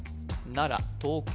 奈良東京